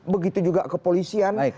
begitu juga kepolisian